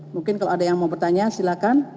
mungkin kalau ada yang mau bertanya silakan